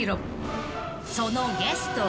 ［そのゲストは？］